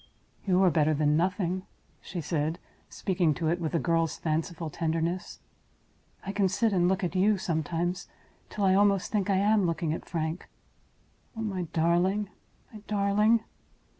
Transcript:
"You are better than nothing," she said, speaking to it with a girl's fanciful tenderness. "I can sit and look at you sometimes, till I almost think I am looking at Frank. Oh, my darling! my darling!"